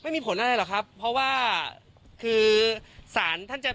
ไม่มีผลอะไรหรอกครับเพราะว่าคือศาลท่านจะ